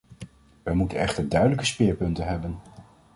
Wij moeten echter duidelijke speerpunten hebben.